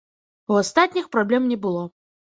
У астатніх праблем не было.